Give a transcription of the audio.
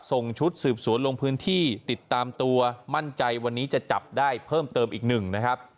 ส่งชุดสืบสวนลงพื้นที่ติดตามตัวมั่นใจวันนี้จะจับได้เพิ่มเติมอีกหนึ่งนะครับ